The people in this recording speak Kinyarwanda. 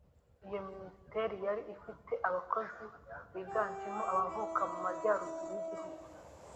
Iyo Minisiteri yari ifite abakozi biganjemo abavuka mu Majyaruguru y’Igihugu